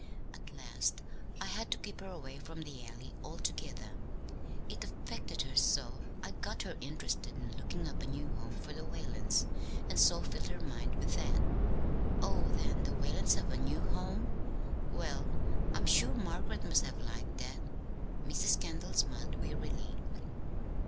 At last I had to keep her away from the Alley altogether, it affected her so. I got her interested in looking up a new home for the Whalens, and so filled her mind with that." "Oh, then the Whalens have a new home? Well, I'm sure Margaret must have liked that." Mrs. Kendall smiled wearily.